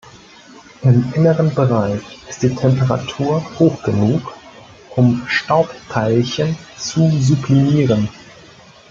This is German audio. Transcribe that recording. Im inneren Bereich ist die Temperatur hoch genug, um Staubteilchen zu sublimieren.